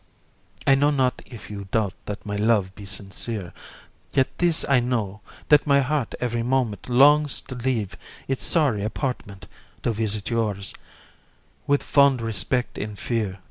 "I know not if you doubt that my love be sincere, Yet this I know, that my heart every moment Longs to leave its sorry apartment To visit yours, with fond respect and fear.